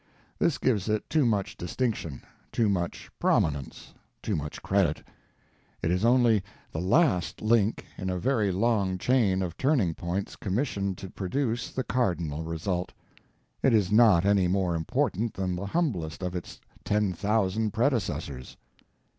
This gives it too much distinction, too much prominence, too much credit. It is only the _last _link in a very long chain of turning points commissioned to produce the cardinal result; it is not any more important than the humblest of its ten thousand predecessors.